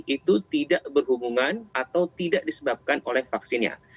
itu tidak berhubungan atau tidak disebabkan oleh vaksinnya